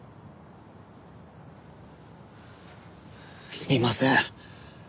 すみません。